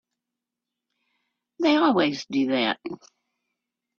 They always do that.